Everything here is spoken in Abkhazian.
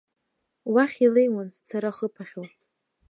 Уахь илеиуан зцара хыԥахьоу.